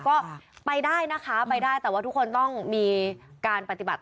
ก็ไปได้นะคะไปได้แต่ว่าทุกคนต้องมีการปฏิบัติ